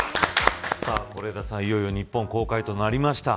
是枝さん、いよいよ日本公開となりました。